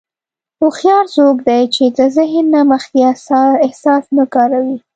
هوښیار څوک دی چې د ذهن نه مخکې احساس نه کاروي.